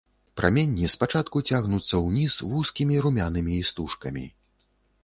Праменні спачатку цягнуцца ўніз вузкімі румянымі істужкамі.